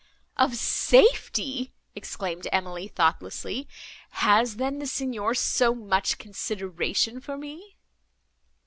"Of safety!" exclaimed Emily, thoughtlessly; "has, then, the Signor so much consideration for me?"